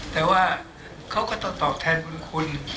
แต่ว่าเขาก็จะตอบแทนบุญคุณ